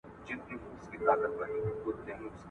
له خوږو ډډه کول هم ګټور دي.